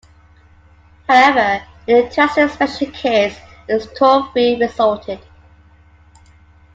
However, an interesting special case is a torque-free resultant.